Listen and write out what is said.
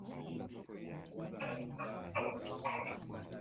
mengi katika historia ya binadamu Imepakana na Afghanistan